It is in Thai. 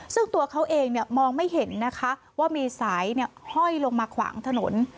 ซึ่งตัวเขาเองมองไม่เห็นนะคะว่ามีสายห้อยลงมาขวางถนน